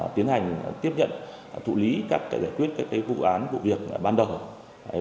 tiến hành tiếp nhận thụ lý các giải quyết các vụ án vụ việc ban đầu